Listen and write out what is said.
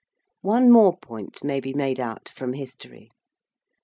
One more point may be made out from history.